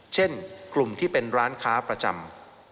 เช่นกลุ่มที่เป็นร้านค้าประจำ